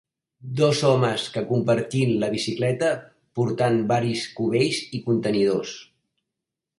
Dos homes que compartint la bicicleta, portant varis cubells i contenidors.